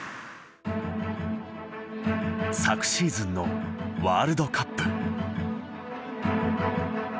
昨シーズンのワールドカップ。